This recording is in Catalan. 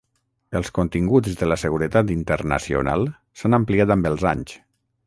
Els continguts de la seguretat internacional s'han ampliat amb els anys.